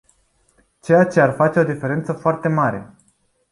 Ceea ce ar face o diferență foarte mare.